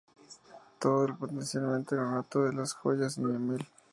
Todo lo perteneciente al ornato de las jambas y el dintel.